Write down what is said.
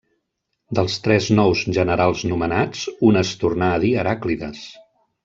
Dels treus nous generals nomenats un es tornà a dir Heràclides.